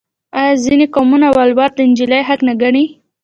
آیا ځینې قومونه ولور د نجلۍ حق نه ګڼي؟